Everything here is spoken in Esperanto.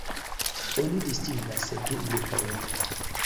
Oni distingas du grupojn.